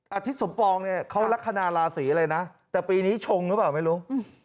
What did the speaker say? อาทิตย์สมปองเขารักคณาลาศรีอะไรนะแต่ปีนี้ชงหรือเปล่าไม่รู้